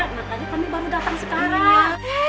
makanya kami baru datang sekarang